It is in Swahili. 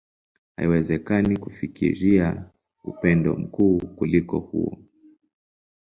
Haiwezekani kufikiria upendo mkuu kuliko huo.